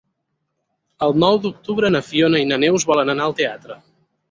El nou d'octubre na Fiona i na Neus volen anar al teatre.